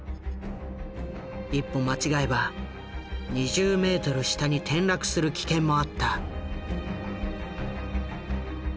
一歩間違えば２０メートル下に転落する危険もあった。